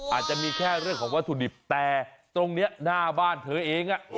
อาจจะมีแค่เรื่องของวัตถุดิบแต่ตรงนี้หน้าบ้านเธอเอง